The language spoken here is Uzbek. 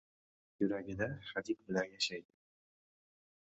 yuragida hadik bilan yashaydi.